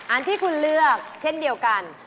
อันที่คุณเลือกเช่นเดียวกัน